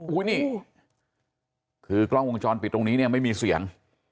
นี่คือกล้องวงจรปิดตรงนี้เนี่ยไม่มีเสียง